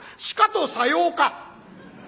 「しかとさようか」。